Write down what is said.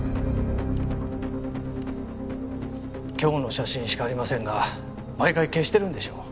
今日の写真しかありませんが毎回消してるんでしょう。